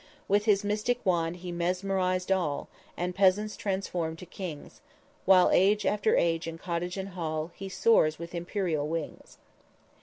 _With his mystic wand he mesmerized all, And peasants transformed to kings; While age after age in cottage and hall, He soars with imperial wings.